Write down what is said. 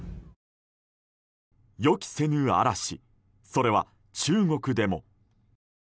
予期せぬ嵐、それは中国でも。